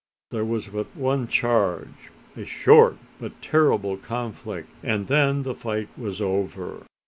There was but one charge a short but terrible conflict and then the fight was over.